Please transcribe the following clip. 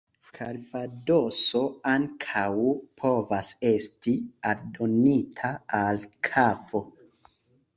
Kalvadoso ankaŭ povas esti aldonita al kafo.